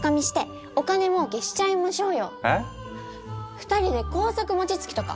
２人で高速もちつきとか！